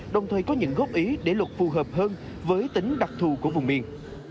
đồng thời có những góp ý để luật phù hợp hơn với tính đặc thù của vùng miền